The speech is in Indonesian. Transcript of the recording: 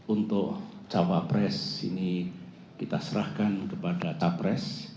untuk cawapres ini kita serahkan kepada capres